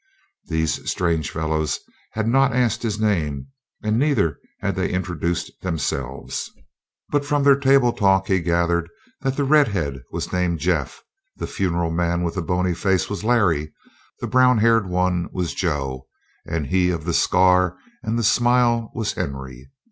These strange fellows had not asked his name, and neither had they introduced themselves, but from their table talk he gathered that the redhead was named Jeff, the funereal man with the bony face was Larry, the brown haired one was Joe, and he of the scar and the smile was Henry.